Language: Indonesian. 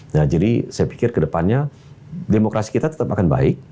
nah jadi saya pikir kedepannya demokrasi kita tetap akan baik